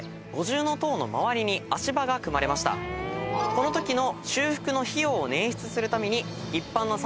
このときの。